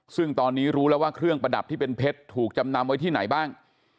ซึ่งตอนนี้รู้แล้วว่าเครื่องประดับที่เป็นเพชรถูกจำนำไว้ที่ไหนบ้าง